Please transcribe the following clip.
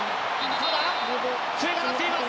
ただ、笛が鳴っています。